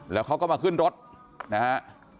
แล้วเขาก็มาขึ้นรถนะฮะ